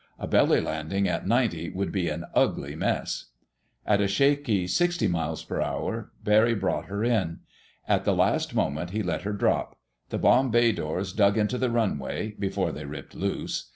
A belly landing at ninety would be an ugly mess. At a shaky sixty m.p.h. Barry brought her in. At the last moment he let her drop. The bomb bay doors dug into the runway, before they ripped loose.